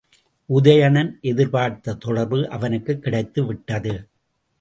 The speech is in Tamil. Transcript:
உதயணன் எதிர்பார்த்த தொடர்பு அவனுக்குக் கிடைத்துவிட்டது.